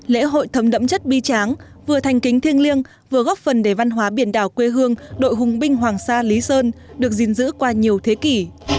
lễ hội thấm đẫm chất bi tráng vừa thành kính thiêng liêng vừa góp phần để văn hóa biển đảo quê hương đội hùng binh hoàng sa lý sơn được gìn giữ qua nhiều thế kỷ